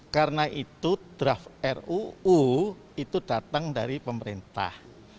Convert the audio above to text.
karena itu draft ruu itu datang dari pemerintah